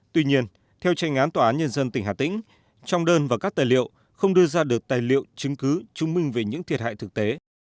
tuy nhiên theo tranh án tòa án nhân dân tỉnh hà tĩnh trong đơn và các tài liệu không đưa ra được tài liệu chứng cứ chứng minh về những thiệt hại thực tế